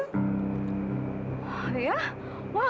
terima kasih membuat rekaman juli jadi ambur adu